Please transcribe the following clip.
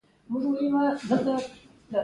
پېغله له کوره راووته غوږونه سپین وو.